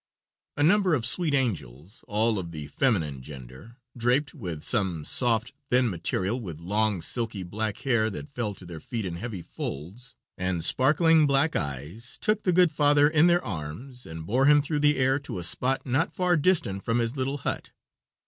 A number of sweet angels all of the feminine gender draped with some soft, thin material, with long, silky black hair that fell to their feet in heavy folds, and sparkling black eyes, took the good father in their arms and bore him through the air to a spot not far distant from his little hut.